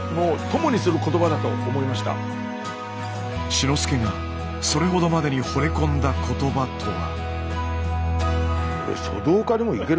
志の輔がそれほどまでにほれ込んだ言葉とは。